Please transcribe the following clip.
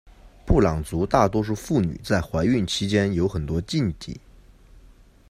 布朗族大多数妇女在怀孕期间有很多禁忌。